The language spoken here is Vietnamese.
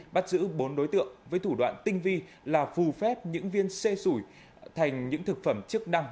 bắt giữ bốn đối tượng với thủ đoạn tinh vi là phù phép những viên xê sủi thành những thực phẩm chức năng